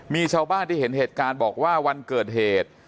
มีชาวบ้านที่เห็นเหตุการณ์บอกว่าวันเกิดเหตุ